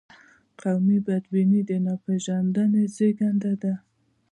قومي بدبیني د ناپېژندنې زیږنده ده.